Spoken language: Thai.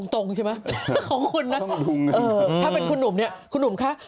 ตรงใช่ไหมของคุณนะถ้าเป็นคุณหนุ่มเนี่ยคุณหนุ่มคะ